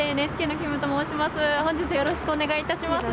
ＮＨＫの金と申します。